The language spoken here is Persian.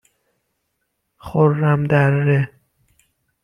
خرمدره